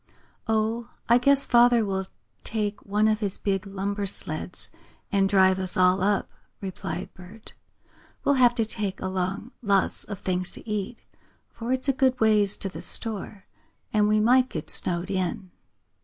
"Oh, I guess father will take one of his big lumber sleds and drive us all up," replied Bert. "We'll have to take along lots of things to eat, for it's a good ways to the store, and we might get snowed in."